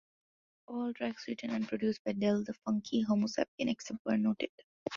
All tracks written and produced by Del the Funky Homosapien, except where noted.